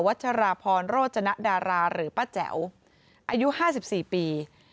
ัชราพรโรจนดาราหรือป้าแจ๋วอายุ๕๔ปี